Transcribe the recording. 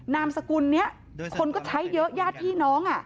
นามสกุลนี้คนก็ใช้เยอะญาติพี่น้อง